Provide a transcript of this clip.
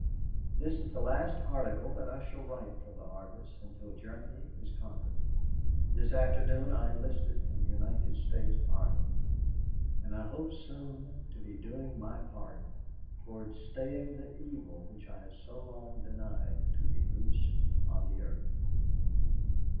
This is the last article that I shall write for the Argus until Germany is conquered. This afternoon I enlisted in the United States Army, and I hope soon to be doing my part toward staying the evil which I have so long denied to be loose on the earth."